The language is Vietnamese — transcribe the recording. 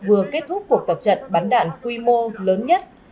vừa kết thúc cuộc tập trận bắn đạn quy mô lớn nhất